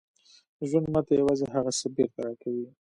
ژوند ماته یوازې هغه څه بېرته راکوي